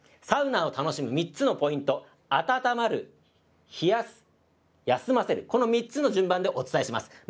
サウナを楽しむ３つのポイント、温まる、冷やす、休ませる、この３つの順番でお伝えします。